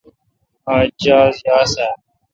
آج جاز یاس آ؟